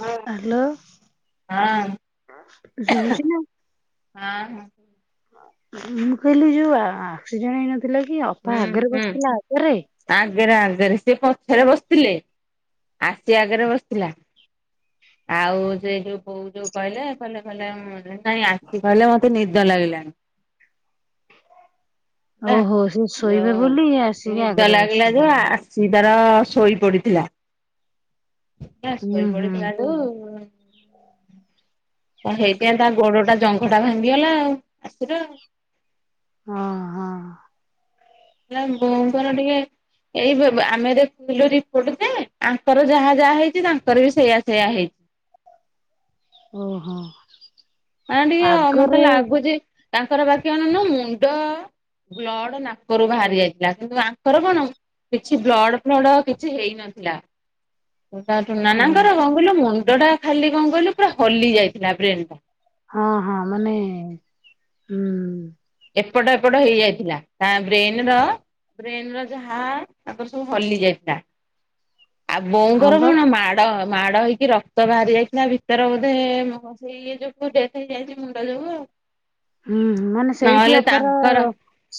ହଁ ହାଲୋ ହଁ ଶୁଭୁଛି ନା ହଁ ମୁଁ କହିଲି ଯୋଉ ଆକ୍ସିଡେଣ୍ଟ ହେଇନଥିଲା କି ଅପା ହୁଁ ଆଗରେ ହୁଁ ବସିଥିଲା ଆଗରେ। ଆଗରେ ଆଗରେ ସେ ପଛରେ ବସିଥିଲେ ଆସି ଆଗରେ ବସିଥିଲା ଆଉ ସେ ଯୋଉ କୋଉ ଯୋଉ କହିଲେ କହିଲେ କହିଲେ ନାଇଁ ଆସି କହିଲେ ମତେ ନିଦ ଲାଗିଲାଣି। ହିଁ, ଓହୋ ସେ ଶୋଇବେ ବୋଲି ଯେଉ ଆସିକି ନିଧା ଆଗରେ ଲାଗିଲା ଯେ ବସିଲେ। ଆ ସିଏ ତାର ଶୋଇ ପଡିଥିଲା ହେ ହୁଁ ଶୋଇ ହୁଁ ପଡିୁଥିଲାକୁ। ତା ହେଇଥିାଇ ତା ଗୋଡ ଟା ଜଙ୍ଘଟା ଭାଙ୍ଗିଗଲା ଆଉ ଆସୁର। ହଁ, ହଁ। ହେଲା ଆମ ବୋଉଙ୍କର ଟିକେ ଏଇ ଆମେ ଦେଖୁଥିଲୁ ରିପୋର୍ଟ ଯେ ଆଙ୍କର ଯାହା ଯାହା ହେଇଛି ତାଙ୍କର ବି ସେଇୟା ସେୟଆ ହେଇଛି। ଓହୋ ମ ଟିକେ ମତେ ଆଗରେ ଲାଗୁଛି ତାଙ୍କର ବାକି ଅନାଉନ ମୁଣ୍ଡ ବ୍ଲଡ ନାକରୁ ବାହାରି ଯାଇଥିଲା କିନ୍ତୁ ଆଙ୍କର କଣ କିଛି ବ୍ଲଡ, ଫ୍ଲଡ କିଛି ହେଇନଥିଲା ତାଠୁ ଓହୋ ନାନଙ୍କର କଣ କହିଲୁ ମୁଣ୍ଡ ଟା ଖାଲି କଣ କହିଲୁ ପୁରା ହଲି ଯାଇଥିଲା ବ୍ରେନ୍। ହଁ, ହଁ ମାନେ ହଁ ଏପଟ ଏପଟ ହେଇଯାଇଥିଲା ତା ବ୍ରେନ ର ବ୍ରେନ ର ଯାହା ତାଙ୍କର ସବୁ ହଲି ଯାଇଥିଲା। ଆଉ ହଁ ବୋଉଙ୍କର ବା କଣ ମା ମା ମାଡ ହେଇକି ରକ୍ତ ବାହାରି ଯାଇଥିଲା ଭିତରେ ବୋଧେ ଇଏ ଯୋଠୁ ଯେତିକି ଯାଇଛି ମୁଣ୍ଡା ଯୋଗୁ ଆଉ। ହୁଁ ମାନେ ସେଇଠି ନହେଲେ ଅପାର ତାଙ୍କର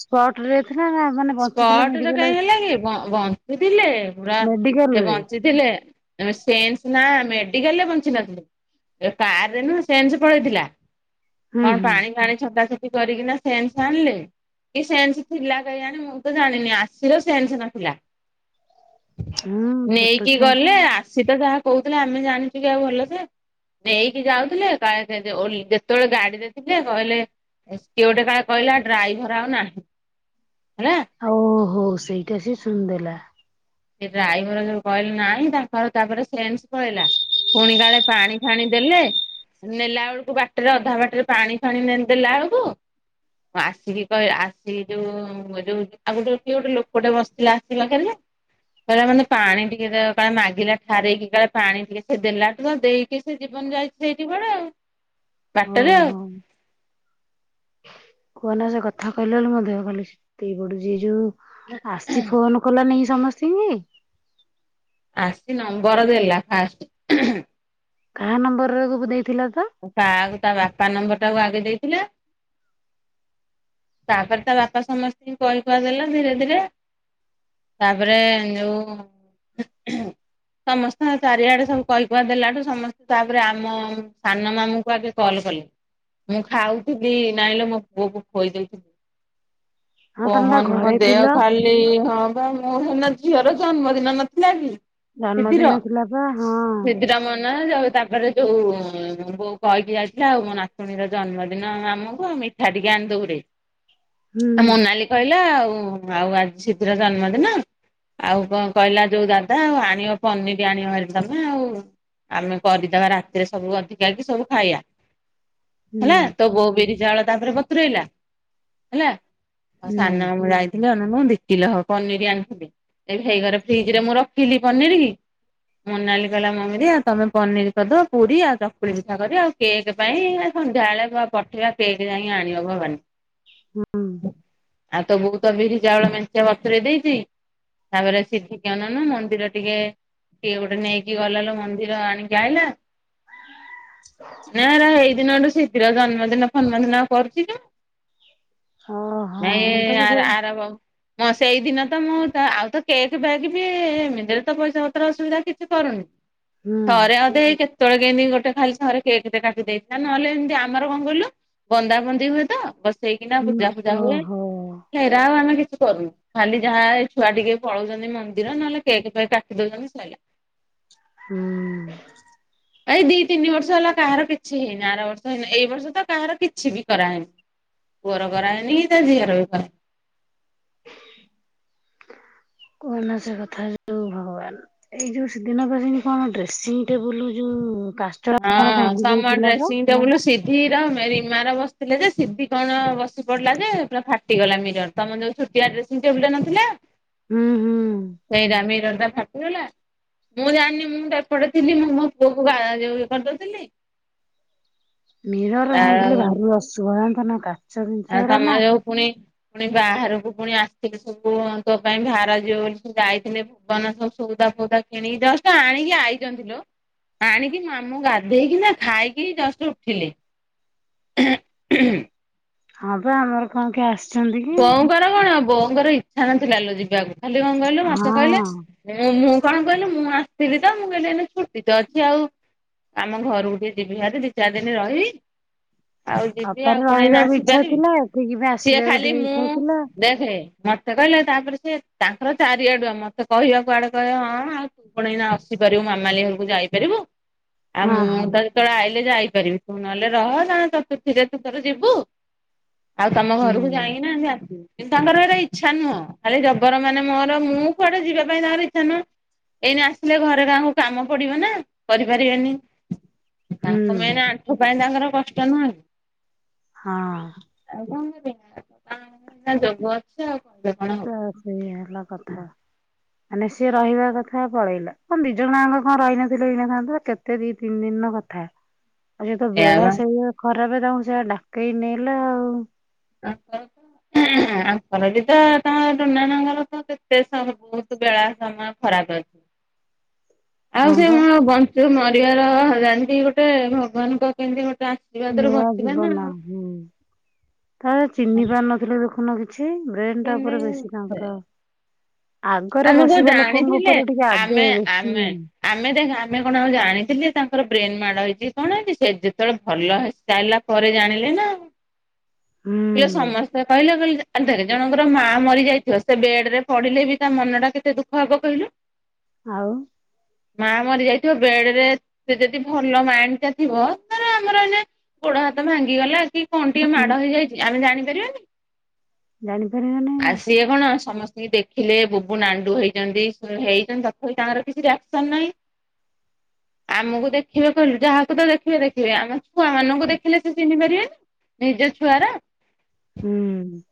ସ୍ପଟ ରେ ଥିଲା ନା ମାନେ ବଞ୍ଚିଥିଲା ସ୍ପଟ ମେଡିକାଲ କାହିଁ ହେଲା କି ବ ବଞ୍ଚିଥିଲେ, ପୁରା ମେଡିକାଲ ସେ ରେ ବଞ୍ଚି ଥିଲେ, ଆମ ସେନ୍ସ ନାଁ ମେଡିକାଲରେ ବଞ୍ଚିନଥିଲେ। ଏ କାରରେ ନୁହଁ ସେନ୍ସ ପଳେଇଥିଲା। ହୁଁ କଣ ହୁଁ ପାଣି ଫାଣି ଛଟା ଛଟି କରିକିନା ସେନ୍ସ ଆଣିଲେ କି ସେନ୍ସ ଥିଲା କେୟାଣୀ ମୁଁ ତ ଜାଣିନି ଆସି ତ ସେନ୍ସ ନଥିଲା। ହୁଁ ଛୋଟ ନେଇକି ଛୁଆ ତ ଗଲେ ଆସି ତ ଯାହା କହୁଥିଲେ ଆମେ ଜାଣିଛୁ କି ଆଉ ଭଲ ସେ ନେଇକି ଯାଉଥିଲେ, କାଳେ ସେ ଯେ ଓଲ ଯେତବେଳେ ଗାଡ଼ିରେ ଥିଲେ କହିଲେ ସେଏ କିଏ ଗୋଟେ କାଳେ କହିଲା ଡ୍ରାଇଭର ଆଉ ନାହିଁ। ହେଲା ଓ ହୋ ସେଇଟା ସେ ସୁଣି ଦେଲା। ସେ ଡ୍ରାଇଭର ଯଉ କହିଲା ନାହିଁ ତାଙ୍କର ତାପରେ ସେନ୍ସ ପଳେଇଲା। ପୁଣି କାଳେ ପାଣି ଫାଣି ଦେଲେ ନେଲା ବେଳକୁ ବାଟରେ ଅଧା ବାଟରେ ପାଣି ଫାଣି ଦେଲା ବେଳକୁ ଆସିକି କହି ଆସିକି ଯୋଉ ଏଯୋଉ ଆଉ ଗୋଟେ କିଏ ଗୋଟେ ଲୋକଟେ ବସିଥିଲା ଆସିକି ପାଖରେ ଯେ କହିଲା ମତେ ପାଣି ଟିକେ କାଳେ ମାଗିଲା ଠାରେଇକି କାଳେ ପାଣି ଟିକେ ସେ ଦେଲାଠୁ ତ ଦେଇଚି ସେ ଜୀବନ ଯାଇଛି। ସେଇଠି କୁଆଡେ ଆଉ ବାଟରେ ଆଉ ଓହୋ। କୁହନା ସେ କଥା କହିଲା ବେଳକୁ ମୋ ଦେହ ଖାଲି ସିତେଇ ପଡୁଛି ଏଇ ଯୋଉ ଆସି ଫୋନ୍ କଲାନିକି ସମସ୍ତିଙ୍କି ଆସି ନମ୍ବର ଦେଲା ଫାଷ୍ଟ କାହା ନମ୍ବରରେ ଗୁବୁ ଦେଇଥିଲା ତ? କାଆକୁ ତା ବାପା ନମ୍ବର ଟାକୁ ଆଗେ ଦେଇଥିଲା ତାପରେ ତା ବାପା ସମସ୍ତଙ୍କୁ କହି କୁହାଦେଲା ଧିରେ ଧିରେ ତାପରେ ଯଉ ଉହୁଁ ସମସ୍ତଙ୍କ ଚାରିଆଡେ ସବୁ କହି କୁହା ଦେଲାଠୁ ସମସ୍ତେ ତାପରେ ଆମ ସାନ ମାମୁଁ କୁ ଆଗେ କଲ କଲି, ମୁଁ ଖାଉଥୁବି ନାଇଁଲୋ ମୋ ପୁଅକୁ ଖୋଇ ଦୋଇ ଥୁ ହଁ ତମେ ବା କହନି ମୋ ଘରେ ଦେହ ଥିଲ ଖାଲି ଏଇ ହଁ ପା ମୋ ସେଦିନ ଝିଅର ଜନ୍ମଦିନ ନଥିଲା କି ସିଦିର ଜନ୍ମଦିନ ଥିଲା ପା ହଁ ସିଦିର ମୋ ନାଁ ଯୋଉ ତାପରେ ଯୋଉ ମୋ ବୋଉ କହିକି ଯାଇଥିଲା ଆଉ ମୋ ନାତୁଣୀର ଜନ୍ମଦିନ ଆମକୁ ଆଉ ମିଠା ଟିକେ ଆଣିଦବୁରେ। ହୁଁ ମୋନାଲି କହିଲା ଆଉ ଆଜି ସିପି ର ଜନ୍ମଦିନ ଆଉ କଣ କହିଲା ଯୋଉ ଦାଦା ଆଉ ଆଣିବ ପନିର ଆଣିବ ଭାରି ତମେ ଆଉ ଆମେ କରିଦବା ରାତିରେ ସବୁ ଅଧିକ କାଲି ସବୁ ଖାଇବା ହୁଁ ହେଲା, ତୋ ବୋଉ ବିରି ଚାଉଳ ତାପରେ ବତୁରେଇଲା ହେଲା, ହୁଁ ସାନ ମାମୁଁ ଯାଇ କିଲେ ନା ମ ଦିକିଲେ ହବ ପନିର ଆଣିଥିଲେ, ହେଇଘରେ ଫ୍ରିଜ୍ ରେ ମୁ ରଖିଥିଲି ପନିର ମୋନାଲି କହିଲା ମମି ଦେଇ ତମେ ପନିର କରିଦବ। ପୁରୀ ଆଳୁଚପ ଚକୁଳି ପିଠା କରିବା ଆଉ କେକ୍ ପାଇଁ ସନ୍ଧ୍ୟାବେଳେ ପଠେଇବା କେକ୍ ଯାଇ ଆଣିବ ଭବାନୀ। ହୁଁ ଆଉ ତ ବୋଉ ତ ବିରି ଚାଉଳ ମେଞ୍ଚେ ବତରେଇ ଦେଇଛି ତାପରେ ସିପିକୁ ଅନଉନୁ ମନ୍ଦିର ଟିକେ କିିଏ ଗୋଟେ ନେଇକି ଗଲାଲୋ ମନ୍ଦିର ଆଣିକି ଆଇଲା କୁ ଉ ଉ ଭୋ ନା ନା ସେଇ ଦିନ ଠୁ ସିପିର ଜନ୍ମଦିନ ଫନ୍ମଦିନ ଆଉ କରୁଚି କି ମୁଁ। ଓହୋ ନାଇ ଏ ତାକୁ ଆ କହିବୁ। ଆରମ୍ଭ ହଁ ସେଇଦିନ ତ ମୁଁ ଆଉ ତ କେକ୍ ଫେକେ ବି ଏମିତିରେ ତ ପଇସା ପତ୍ର ଅସୁବିଧା କିଛି କରୁନି। ହୁଁ ଥରେ ଅଧେ ଏଇ କେତେବେଳେ କେମିତି ଗୋଟେ ଖାଲି ଥରେ କେକ ଟେ କାଟି ଦେଇଥିଲା ନହେଲେ ଏମତି ଆମର କଣ କହିଲୁ ବନ୍ଦା ବନ୍ଦି ହୁଏ ତ ବ ହେଇକିନା ହୁଁ ପୂଜା ଫୂଜା ହୁଏ ଓହୋ ସେରା ଆଉ ଆମେ କିଛି କରୁନୁ। ଖାଲି ଯାହା ଏ ଛୁଆ ଟିକେ ପଳଉଛନ୍ତି ମନ୍ଦିର ନହେଲେ କେକ୍ ଫେକ୍‌ କାଟି ଦଉଛନ୍ତି ସଇଲା। ହୁଁ। ଏଇ ଦି ତିନି ବର୍ଷ ହେଲା କାହାର କିଛି ହେଇନି। ଆର ବର୍ଷ ହେନେ ଏଇ ବର୍ଷ ତ କାହାର କିଛି ବି କରାହେଇନି। ପୂଅର କରାହେଇନି କି ତା ଝିଅରବି କରାହେଇନି। [inaudible] କୁହନା ସେ କଥା ଯୋଉ ଭଗବାନ୍। ଏଇ ଯୋଉ ସେଦିନ କହେଲେନି କଣ ଡ୍ରେସିଂ ଟେବୁଲ ଯୋଉ କା ହଁ ସମନ ଡ୍ରେସିଂଙ୍ଗି। ଟେବୁଲ ସିଧି ର ମେ ରିମାର ବସିଥିଲେ ଯେ ସିଧି କଣ ବସି ପଡିଲା ଯେ ପୁରା ଫା ଫାଟିଟି ଗଲା ମିରର ତମର ଯୋଉ ଛୋଟିଆ ଡ୍ରେସିଂଟେବୁଲ ଟା ନଥିଲା ଉଁ ହୁଁ। ମିରା ମିରର ଟା ଫାଟିଗଲା। ମୁଁ ଜାଣିନି ମୁଁ ତ ଏପଟେ ଥିଲି। ମୁଁ ମୋ ପୁଅକୁ ଗା ଯୋଉ ଇଏ କରିଦଉଥିଲି। ମିରର ଭାଙ୍ଗିଲେ ଆଉ ଭାରି ଅସୁଭ ଜାଣିଛ ନା କା? ଆଉ ତମ ଯୋଉ ପୁଣି ପୁଣି ବାହାରକୁ ପୁଣି ଆସି କି ସବୁ ତୋ ପାଇଁ ବାହାର ଯିବ ବୋଲି ଯାଇଥିଲି। ବନା ସବୁ ସଉଦା ଫୋଉଦା କିଣିିକି ଜଷ୍ଟ ଆଣିକି ଆଇଛନ୍ତି ଲୋ। ଆଣିକି ମାମୁ ଗାଧେଇକି ନା, ଖାଇକି ହିଁ ଜଷ୍ଟ ଉଠିଲେ। ହମ୍ ହମ୍। ହଁ ପା ଆମର କଣ କିଏ ଆସିଛନ୍ତି କି? କରଗଣ ବୋଉଙ୍କର ଇଚ୍ଛା ନଥିଲା ଲୋ ଯିବାକୁ। ଖାଲି କଣ କହିଲୁ ମତେ କହିଲେ ହଁ ମୁଁ ମୁଁ କଣ କହିଲି ମୁଁ ଆସିଥିଲି ତ ମୁଁ କହିଲି ଏଇନା ଛୁଟି ତ ଅଛି ଆଉ ଆମ ଘରକୁ ଟିକେ ଯିବି ବାହାରି ଦି ଚାରି ଦିନି ରହିବି। ଆଉ ଯିବି ଆଉ ଅପାର କଣ ଏଇନା ରହିବାକୁ ଇଚ୍ଛା ଆସିପାରିବି। ଥିଲା। ଏଠିକି ବି ଆସି ସିଏ ଖାଲି ମୁଁ। ଦେଖେ ମତେ କହିଲେ ତାପରେ ସେ ତାଙ୍କର ଚାରିଆଡୁ ମତେ କହିବାକୁ ଆଡେ କହିଲେ ହଁ ଆଉ। ତୁକଣ ଏଇନା ଆସିପାରିବୁ ମାମାଲି ଘରକୁ ଯାଇପାରିବୁ। ଆଉ ହଁ ମୁଁ ହଁ ତ କେତବେଳେ ଆଇଲେ ଯାଇପାରିବି। ତୁ ନହେଲେ ରହ ନ ହେଲେ ତୁ ଥିଲେ ତୁ ତୋର ଯିବୁ। ଆଉ ତମ ହୁଁ ଘରକୁ ଯାଇ ନାହାନ୍ତି ଆସି? କିନ୍ତୁ ତାଙ୍କର ଏଇରା ଇଚ୍ଛା ନୁହଁ। ଖାଲି ଜବର ମାନେ ମୋର ମୁଁ କୁଆଡେ ଯିବା ପାଇଁ ତାଙ୍କର ଇଚ୍ଛା ନୁହଁ। ଏଇନା ଆସିଲେ ଘରେ କାହାକୁ କାମ ପଡିବ ନା। କରିପାରିବେନି। ତାଙ୍କ ହୁଁ ମେନ୍ ଆଣ୍ଠୁ ପାଇଁ ତାଙ୍କର କଷ୍ଟ ନହେଁ କି। ହଁ। ଆଉ କଣ ନେଵି ତାଙ୍କର ଯୋଗ ଅଛି। ଆଉ କରିବେ କଣ? ହବ ତ ସେୟା ହେଲ କଥା। ମାନେ ସିଏ ରହିବା କଥା ପଳେଇଲା। କଣ ଦି ଜଣଙ୍କ କଣ ରହିନଥିଲେ ହେଇନଥାନ୍ତା। କେତେ ଦି ତିନି ଦିନର କଥା। ଆଉ ସେତ ଏଇଆ ବେଳା ବା ସେୟା ଖରାପେ ତାଙ୍କୁ ସେୟା ଡାକେଇ ନେଲା ଆଉ। ଅ ହ। ତାଙ୍କର ବି ତ ତାଙ୍କ ଟୁନା ନନାର ତ କେତେ ସାର ବହୁତ ବେଳା ସମୟ ଖରାପ ଅଛି। ହଁ ଆଉ ସେ ବା ମୋର ବ ଯୋଉ ମରିବାର ହଜାନ୍ତି ଗୋଟେ ଭଗବାନଙ୍କ କେମିତି ଗୋଟେ ଆଶୀର୍ବାଦରୁ ନୂଆ ବଞ୍ଚିଲେ ଜୀବନ ନା ଆଉ। ହୁଁ ଥରେ ଚିହ୍ନି ଆଉ। ପାରୁନଥିଲେ ଦେଖୁନ କିଛି। ବ୍ରେନ ଟା ଉପରେ ବେଶୀ କେମିତି ତାଙ୍କର ଆଗରେ ଆମେ କଣ ବସିବା ଲୋକଙ୍କ ଜାଣିଥିଲେ ଉପରେ ଟିକେ ଆମେ ଆଗେ ବେଶୀ ଆମେ ଆମେ ଦେଖ ଆମେ କଣ ଆଉ ଜାଣିଥିଲେ ତାଙ୍କର ବ୍ରେନ ମାଡ ହେଇଚି କଣ ହେଇଚି ସେ ଯେତେବେଳେ ଭଲ ହେ ସାଇଲା ପରେ ଜାଣିଲେ ନା। ହୁଂ। ଏ ସମସ୍ତେ କହିଲେ କହିଲେ ଆରେ ଦେଖ୍ ଜଣଙ୍କର ମା ମରି ଯାଇଥିବ ସେ ବେଡ ରେ ପଡିଲେ ବି ତା ମନ ଟା କେତେ ଦୁଃଖ ହବ କହିଲୁ? ଆଉ। ମା ମରି ଯାଇଥିବ ବେଡେରେ ସେ ଯଦି ଭଲ ମାଇଣ୍ଡ ଟା ଥିବ ଧର ଆମର ଯେମତି ଗୋଡ ହାତ ଭାଙ୍ଗିଗଲା କି- କଣ ଟିକେ ମାଡ ହେଇଯାଇଛି ଆମେ ଜାଣିପାରିବାନି। ଜାଣିପାରିବା ନେଇଁ ନା। ଆଉ ସିଏ କଣ ସମସ୍ତିଙ୍କୁ ଦେଖ ଥିଲେ ବୁବୁ ନାଣ୍ଡୁ ହେଇଚନ୍ତି ହେଇଛନ୍ତି ତଥାପି ତାଙ୍କର କିଛି ରିଆକ୍ସନ ନାହିଁ। ଆମକୁ ଦେଖିବେ କହିଲୁ ଯାହାକୁ ତ ଦେଖିବେ ଦେଖିବେ ଆମ ଛୁଆ ମାନଙ୍କୁ ଦେଖିଲେ ସେ ଚିହ୍ନି ପାରିବେନି ନିଜ ଛୁଆରା। ହୁଁ।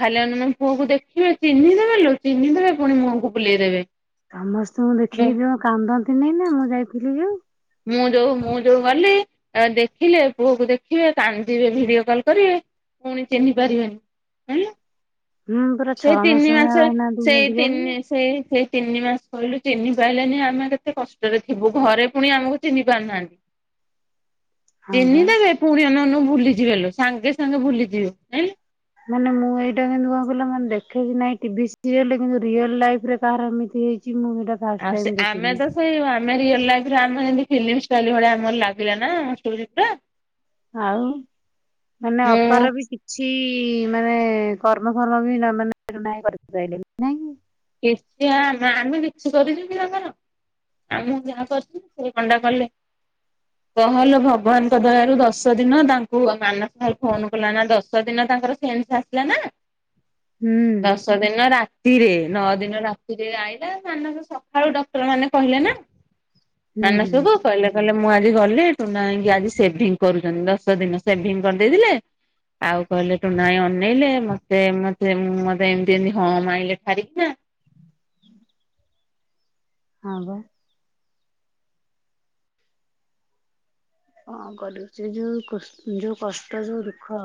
ଖାଲି ଅନନ୍ ପୁଅକୁ ଦେଖିବେ ଚିହ୍ନି ଦେବେ ଲୋ ଚିହ୍ନି ଦେବେ ପୁଣି ମୁହକୁ ବୁଲେଇଦେବେ। ସମସ୍ତଙ୍କୁ ମୁଁ ଦେଖିକି ଯୋଉ କାନ୍ଦନ୍ତି ନାଇ ନା ମୁଁ ଯାଇଥିଲି ଯୋଉ। ମୁଁ ଯୋଉ ମୁଁ ଯୋଉ ଗଲି। ଆ ଦେଖିଲେ ପୁଅକୁ ଦେଖିବେ କାନ୍ଦିବେ ଭିଡିଓ କଲ କରିବେ ପୁଣି ଚିହ୍ନି ପାରିବେନି। ହୁଁ ହୁଁ ପୁରା ସେଇ ଛଅ ମାସ ତିନି ଭଳିଆ ମାସେ ରହିନାହାନ୍ତି ସେଇ ମେଡିକାଲରେ ତିନିସ୍ ସେ ସେ ତିନି ମାସେ କହିଲୁ ଚିହ୍ନି ପାଇଲେନି ଆମେ କେତେ କଷ୍ଟରେ ଥିବୁ ଘରେ। ଫୁଣି ଆମକୁ ଚିହ୍ନି ପାରୁନାହାନ୍ତି ହଁ ବା ଚିହ୍ନିଦେବେ। ପୁଣି ଅନଉ ଅନଉ ଭୁଲିଯିବେ ଲୋ ସାଙ୍ଗେ ସାଙ୍ଗେ ଭୁଲିଯିବେ ଯାଇଁଲୁ ମାନେ ମୁଁ ଏଇଟା କିନ୍ତୁ କଣ କହିଲ ମାନେ ଦେଖେ କି ନାଇଁ ଟିଭି ସିରିଏଲରେ କିନ୍ତୁ ରିଅଲ ଲାଇଫ ରେ କାହାର ଏମିତି କିମୋ ହେଟା। ଆଉ ସେ ଆମେ ତ ସେଇ ଆମେ ରିଅଲ ଲାଇଫ୍ ରେ ଆମେ ହେମତି ଫିଲ୍ମଷ୍ଟାଇଲ ଭଳିଆ ଆମର ଲାଗିଲା ନା ପୁରି ପୁରା। ଆଉ ମାନେ ମୁଁ ଅପାର ବି ସି ଛି ମାନେ କର୍ମଫଳ ବି ନା ମାନେ ନାଇଁ କରି ପାଇଲେ ନାଇଁ କି କିଛି ଆ ଆଁ ଆମେ କିଛି କରିଚୁ କି ତାଙ୍କର। ଆଉ ମୁଁ ଯାହା କରଛି ସେ କଣଡା କଲେ। କହଲୋ ଭଗବାନ୍ ଙ୍କ ଦୟାରୁ ଦଶ ଦିନ ତାଙ୍କୁ ମାନସ ଭାଇ ଫୋନ କଲା ନା ଦଶ ଦିନ ତାଙ୍କର ସେନ୍ସ ଆସ୍ ଲାନା ହୁଁ ଦଶ ଦିନ ରାତିରେ। ନଅ ଦିନ ରାତିରେ ଆଇଲା ମାନଙ୍କୁ ସକାଳୁ ଡକ୍ଟର ମାନେ କହିଲେ ନା। ହୁଁ ହୁଁ ମାନସକୁ କହିଲେ କହିଲେ ମୁଁ ଆଜି ଗଲି ଟୁନା ଭାଇଙ୍କି ଆଜି ସେଭିଙ୍ଗ କରୁଛନ୍ତି ଦଶ ଦିନ ସେଭିଙ୍ଗ କରିଦେଇଥିଲେ। ଆଉ କହିଲେ ଟୁନା ଭାଇଁ ଅନେଇଲେ ମତେ ମତେ ମତେ ଏମିତି ଏମତି ହଁ ମାଇଲେ ଠାର୍ ର୍ଚି ନା। ହଁ ବା। ହଁ କରୁଛି ଯୋଉ କସ୍ ଯୋଉ କଷ୍ଟ ଯୋଉ ଦୁଃଖ।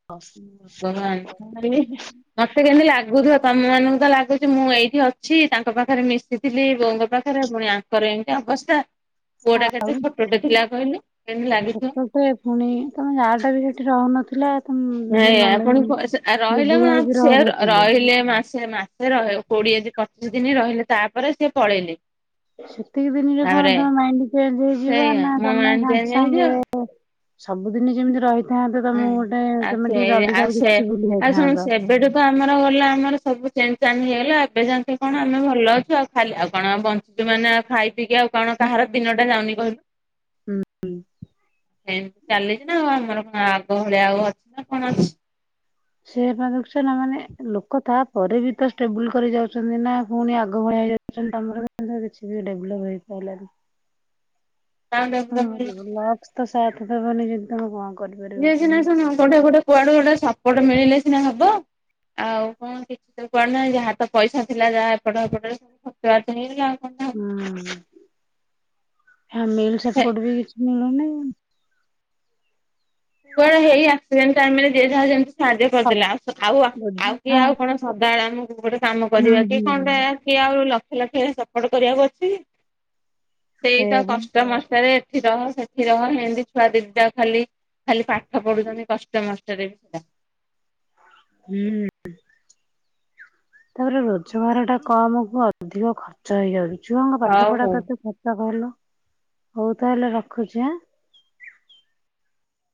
ଭଗବାନ୍ ଖାଲି। [unintelligible] ମତେ କେମିତି ଲାଗୁଥିବ ତମ ମାନଙ୍କୁ ତ ଲାଗୁଛି ମୁଁ ଏଇଠି ଅଛି ତାଙ୍କ ପାଖରେ ମିଶ୍ ଥିଲି ବୋଉଙ୍କ ପାଖରେ ପୁଣି ଆଙ୍କର ଏମିତି ଅବସ୍ଥା ପୁଅଟା କେତେ ଛୋଟଟେ ଥିଲା କହଲେ ଛୋଟ ଟେ ପୁଣି ତମେ ଯାହା ଟା ବି ସେଠି ରହୁନଥିଲା ତମ ନାଇଁ ନନା ଆପଣଙ୍କୁ ସ ରହିଲେ ବୁବୁ ଭାଇ ବି ମାସେ ସେ ରହୁନଥିଲେ। ରହିଲେ ମାସ୍ ସେ ମାସେ ରହେ କୋଡିଏ ଦି ପଚିଶ ଦିନ୍ ରହିଲେ ତାପରେ ସେ ପଳେଇଲେ। ସେତିକି ଦିନରେ କଣ ତାପରେ ତମ ମାଇଣ୍ଡ ଚେଞ୍ଜ ହେଇଯିବ ସେଇଆ ନା ମୋ ତମେ ମାଇଣ୍ଡ ସାଙ୍ଗ ଚେଞ୍ଜ ସାଙ୍ଗେ ହେଇଯିବ ଓ ସବୁଦିନ ଯେମିତି ରହି ଥାନ୍ତେ ତମକୁ ହୁଁ ଗୋଟେ ଆଉ ତମେ ସେ ଟିକେ ଜଲ୍ଦୀ ଆଉ ଜଲ୍ଦୀ ସବୁ ସେ କିଛି ବୁଲି ଆଉ ଶୁଣୁ ଯାଇଥାନ୍ତ ସେବେଠୁ ତ ଆମର ଗଲ ଆମର ସବୁ ଚେଙ୍ଗ ଚାଙ୍ଗ୍ ହେଇଗଲା ଏବେ ଯାଣିନ୍ତେ କଣ ଆମେ ଭଲ ଅଛୁ ଆଉ ଖାଲି ଆଉ କଣ ଆ ବ ଯୋଉମାନେ ଆଉ ଖାଇ ପିଇକି ଆଉ କଣ କାହାର ଦିନ ଟା ଯାଉନି କହିଲୁ ହୁଁ ହୁଁ। ଏମିତି ଚାଲିଛି ନା ଆଉ ଆମର କଣ ଆଗ ଭଳିଆଉ ଅଛି ନା କଣ ଅଛି। ସେ ପା ନୁଖ୍ଛ ନା ମାନେ ଲୋକ ତାପରେ ବି ତ ଷ୍ଟେବୁଲ କରି ଯାଉଛନ୍ତି ନା ପୁଣି ଆଗ ଭଳିଆଇା ଅକ୍ଚୋଳି ତମର କିଛି ବି ଡେଭ୍ଲପ୍ ହେଇପାରିଲାନି। ହଁ ଲକ୍ସ ତ ସାଥ୍ ଦବନି ଯେମିତି ତମେ ଯଦି ହଁ କରିବ ଯିଏ ସିନା ଶୁଣ ଗୋଟେ ଗୋଟେ କୁଆଡେ ଗୋଟେ ସପୋର୍ଟ ମିଳିଲେ ସିନା ହବ ଆଉ କଣ। ହ କିଛି ତ କୁ ଆଡେ ନାହିଁ ଯାହା ତ ପଇସା ଥିଲା ଯାହା ଏପଟ ଏପଟରେ ସବୁ ଖର୍ଚ୍ଚ ବାର୍ଚ୍ଚ ହେଇଗଲା ଆଉ କ ହଁ ମିଲ୍ ସେପଟେ ବି କିଛି ମିଳୁନି କୁଆଡେ ହେଇ ଆକ୍ସିଡେଣ୍ଟ ଟାଇମରେ ଯିଏ ଯାହା ଯେମିତି ସାହାଯ୍ୟ କରିଦେଲା ଆ ଆଉ ଆଉ କିଏ ରୋଜଗାର ଆଉ କଣ ସଦାବେଳେ ଆମକୁ ଗୋଟେ କାମ ହୁଁ କରିବା କି ହୁଁ କଣଟେ କିଏ ଆ ଲକ୍ଷ ଲକ୍ଷ ସପୋର୍ଟ କରିବାକୁ ଅଛି କି ସେଇଆ ସେଇତ ପା କଷ୍ଟ ମଷ୍ଟରେ। ଏଠି ରହ ସେଠି ରହ ଏମିତି ଛୁଆ ଦିଦିଟା କୁ ଖାଲି। ଖାଲି ପାଠ ପଢୁଛନ୍ତି କଷ୍ଟ ମଷ୍ଟରେ। ହୁଁ। ତାପରେ ରୋଜଗାର ଟା କମ କୁ ଅଧିକ ଖର୍ଚ୍ଚ ହେଇଯାଉଛି ଝୁଅଙ୍କ ପାଠ ହଉ ପଢା ହଉ। କତେ ତ ଭଲ ହଉ ତାହେଲେ ରଖୁଛି ଆଁ